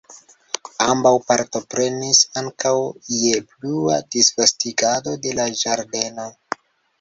Ambaŭ partoprenis ankaŭ je plua disvastigado de la ĝardeno.